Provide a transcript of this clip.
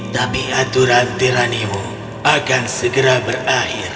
tapi aturan tiranimu akan segera berakhir